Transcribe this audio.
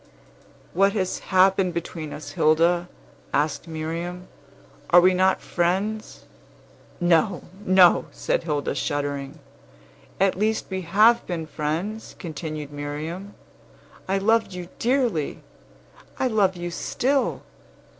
"What has happened between us, Hilda?" asked Miriam. "Are we not friends?" "No, no!" said Hilda, shuddering. "At least we have been friends," continued Miriam. "I loved you dearly! I love you still!